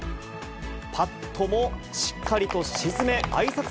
パットもしっかりと沈め、あいさつ